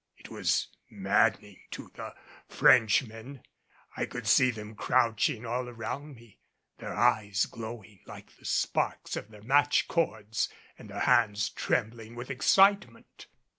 It was maddening to the Frenchmen. I could see them crouching all around me, their eyes glowing like the sparks of their match cords, and their hands trembling with excitement.